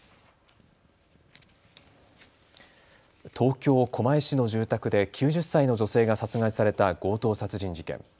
東京狛江市の住宅で９０歳の女性が殺害された強盗殺人事件。